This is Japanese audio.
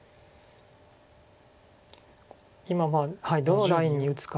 今はどのラインに打つかです